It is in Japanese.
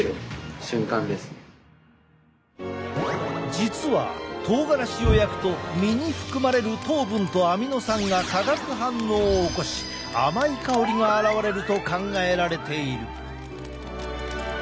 実はとうがらしを焼くと実に含まれる糖分とアミノ酸が化学反応を起こし甘い香りが現れると考えられている。